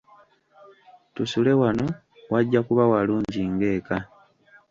Tusule wano wajja kuba walungi ng'eka.